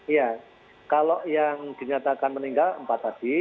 iya kalau yang dinyatakan meninggal empat tadi